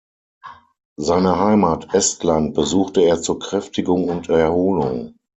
Seine Heimat Estland besuchte er zur Kräftigung und Erholung.